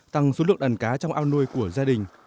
tăng số lượng đàn cá trong ao nuôi của gia đình